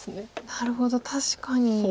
なるほど確かに。